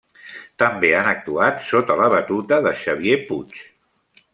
També han actuat sota la batuta de Xavier Puig.